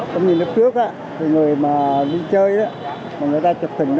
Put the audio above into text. tôi nhìn trước người đi chơi người ta chụp tình